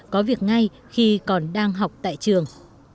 có việc ngay khi còn đang học tại trường